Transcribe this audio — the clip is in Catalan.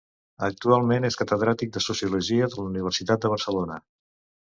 Actualment és catedràtic de Sociologia de la Universitat de Barcelona.